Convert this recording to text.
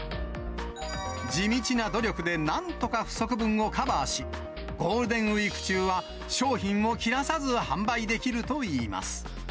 地道な努力でなんとか不足分をカバーし、ゴールデンウィーク中は商品を切らさず販売できるといいます。